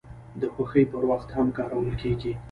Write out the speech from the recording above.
د خوښۍ پر وخت هم کارول کیږي.